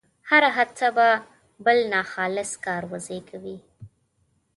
هره هڅه به بل ناخالص کار وزېږوي.